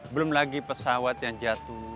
belum lagi pesawat yang jatuh